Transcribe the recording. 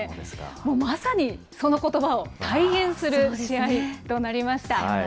もうまさにそのことばを体現する試合となりました。